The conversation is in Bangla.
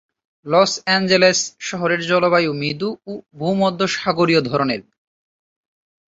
লস অ্যাঞ্জেলেস শহরের জলবায়ু মৃদু ও ভূমধ্যসাগরীয় ধরনের।